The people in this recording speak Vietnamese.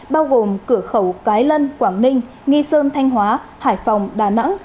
bao gồm cửa khẩu cái lân quảng ninh nghi sơn thanh hóa hải phòng đà nẵng